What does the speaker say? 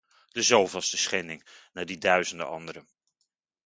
De zoveelste schending na die duizenden andere.